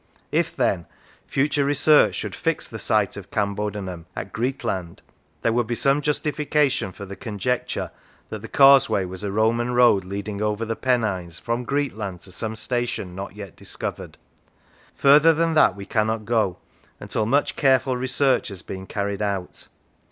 If, then, future research should fix the site of Cambodunum at Greetland, there would be some justification for the conjecture that the causeway was a Roman road leading over the Pennines from Greetland to some station not yet discovered. Further than that we cannot go, until much careful research has been carried out.